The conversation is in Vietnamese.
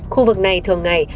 khu vực này thường ngày